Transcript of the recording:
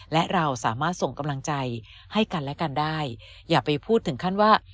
และเราสามารถส่งกำลังใจให้กันและกันได้อย่าไปพูดถึงขั้นว่า